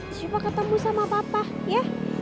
coba ketemu sama papa ya